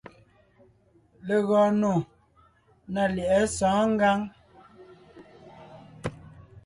Legɔɔn nò ná lyɛ̌ʼɛ sɔ̌ɔn ngǎŋ.